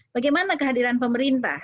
bagaimana kehadiran pemerintah